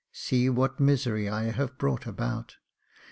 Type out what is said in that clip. See what misery I have brought about.